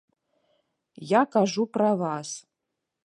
Я кажу пра вас.